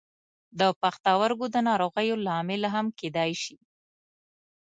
د پښتورګو د ناروغیو لامل هم کیدای شي.